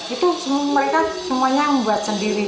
itu mereka semuanya membuat sendiri